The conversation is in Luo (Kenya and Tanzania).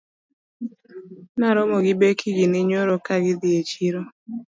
Na romo gi Becky gini nyoro ka gidhii e chiro